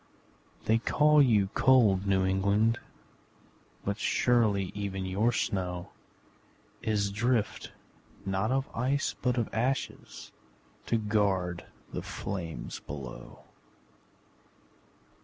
They call you cold New England But surely even your snow Is drift not of ice but of ashes, To guard the flames below!